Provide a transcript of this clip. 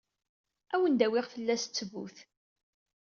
Ad wen-d-awiɣ fell-as ttbut.